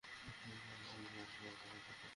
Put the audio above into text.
Master গিয়ারটা কোথায়?